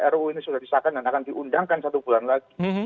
ruu ini sudah disahkan dan akan diundangkan satu bulan lagi